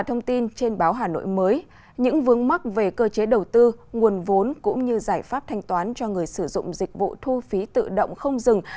theo thông tin trên báo hà nội mới những vướng mắc về cơ chế đầu tư nguồn vốn cũng như giải pháp thanh toán cho người sử dụng dịch vụ thu phí tự động không dừng